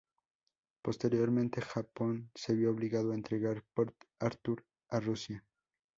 Posteriormente Japón se vio obligado a entregar Port Arthur a Rusia.